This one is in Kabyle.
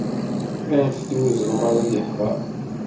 Anfet i uzelmaḍ ad yeḥḍer